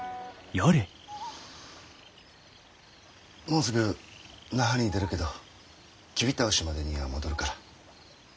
もうすぐ那覇に出るけどキビ倒しまでには戻るから。